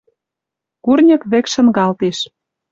Курньык вӹк шынгалтеш.